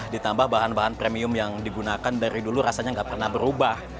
ditambah bahan bahan premium yang digunakan dari dulu rasanya nggak pernah berubah